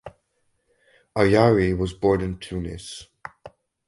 Ayari was born in Tunis.